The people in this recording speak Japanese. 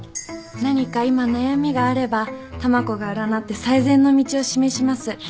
何か今悩みがあればたまこが占って最善の道を示します。